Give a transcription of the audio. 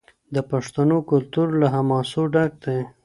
د پښتنو کلتور له حماسو ډک دی.